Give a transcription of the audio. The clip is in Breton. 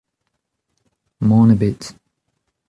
Mann ebet.